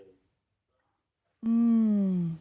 อืม